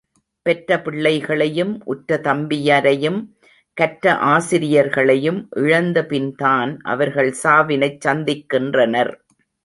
பெற்ற பிள்ளைகளையும், உற்ற தம்பியரையும் கற்ற ஆசிரியர்களையும் இழந்த பின்தான் அவர்கள் சாவினைச் சந்திக்கின்றனர்.